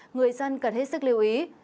người dân cần hết sức lưu ý